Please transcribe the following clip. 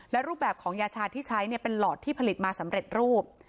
และรูปแบบของยาชาที่ใช้เป็นหลอดที่ผลิตมาสำเร็จรูป